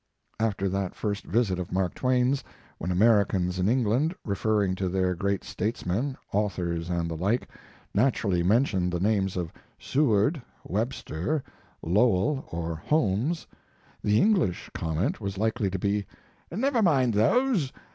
After that first visit of Mark Twain's, when Americans in England, referring to their great statesmen, authors, and the like, naturally mentioned the names of Seward, Webster, Lowell, or Holmes, the English comment was likely to be: "Never mind those.